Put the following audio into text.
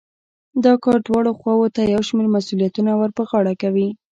دا کار دواړو خواوو ته يو شمېر مسوليتونه ور په غاړه کوي.